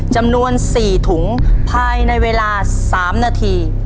จำนวน๔ถุงภายในเวลา๓นาที